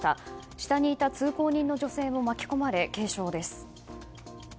下にいた通行人の女性も巻き込まれ、軽傷です。